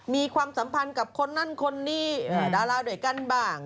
ความสัมพันธ์กับคนนั้นคนนี้ดาราด้วยกันบ้าง